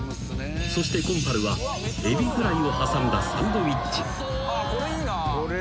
［そしてコンパルはエビフライを挟んだサンドイッチ］